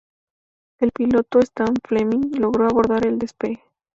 El piloto, Stan Fleming, logró abortar el despegue.